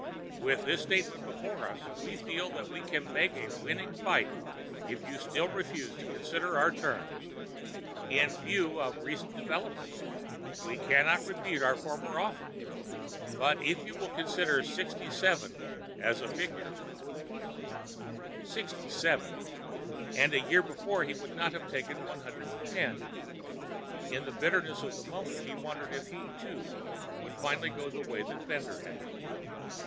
With this statement before us, we feel that we can make a winning fight if you still refuse to consider our terms. In view of recent developments, we cannot repeat our former offer but if you will consider sixty seven as a figure——" Sixty seven! And a year before he would not have taken one hundred and ten! In the bitterness of the moment, he wondered if he, too, would finally go the way that Bender had.